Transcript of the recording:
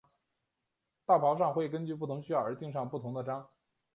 道袍上会根据不同需要而钉上不同的章。